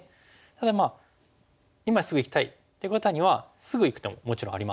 ただ今すぐいきたいっていう方にはすぐいく手ももちろんあります。